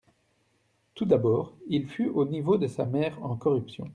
Tout d'abord, il fut au niveau de sa mère en corruption.